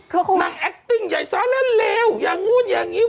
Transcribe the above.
นางแอคติ้งใหญ่ซ้ายเล่นเร็วอย่างนู้นอย่างนี้